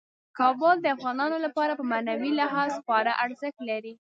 کابل د افغانانو لپاره په معنوي لحاظ خورا ارزښت لري.